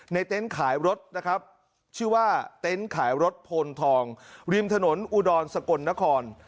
เต็นต์ขายรถนะครับชื่อว่าเต็นต์ขายรถพลทองริมถนนอุดรสกลนคร